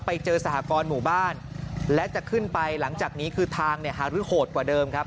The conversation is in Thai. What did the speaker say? ไปเจอสหกรณ์หมู่บ้านและจะขึ้นไปหลังจากนี้คือทางเนี่ยฮารุโหดกว่าเดิมครับ